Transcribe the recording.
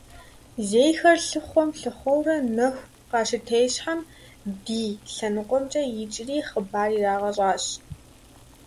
Зейхэр лъыхъуэм-лъыхъуэурэ нэху къащытещхьэм, ди лъэныкъуэмкӀэ икӀри хъыбар ирагъэщӀащ.